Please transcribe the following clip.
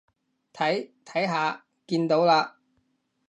睇，睇下，見到啦？